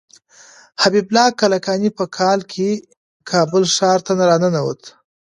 حبیب الله کلکاني په کال کې کابل ښار ته راننوت.